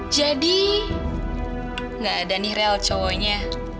jadi gak ada nih rel cowoknya